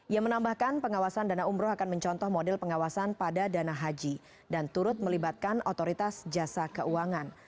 ia menambahkan pengawasan dana umroh akan mencontoh model pengawasan pada dana haji dan turut melibatkan otoritas jasa keuangan